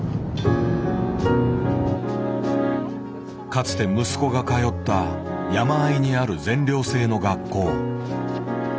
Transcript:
かつて息子が通った山あいにある全寮制の学校。